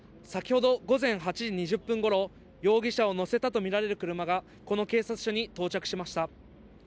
先ほど午前８時２０分ごろ、容疑者を乗せたと見られる車がこの警察署に到着しました。